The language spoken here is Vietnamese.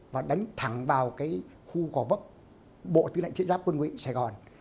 và đánh thẳng vào cái khu gò vấp bộ tư lệnh thiên giáp quân nguyễn sài gòn